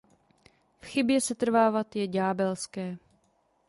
V chybě setrvávat je ďábelské.